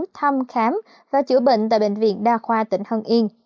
thăm khám và chữa bệnh tại bệnh viện đa khoa tỉnh hưng yên